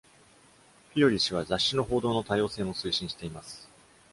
フィオリ氏は、雑誌の報道の多様性も推進しています。